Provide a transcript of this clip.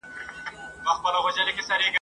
رښتیا د اعتماد نښه ده.